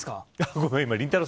ごめん、今りんたろー。